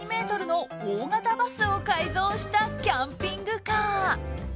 大型バスを改造したキャンピングカー。